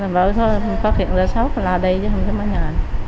vậy thôi có hiện ra sốt là đây chứ không chứ máy ngà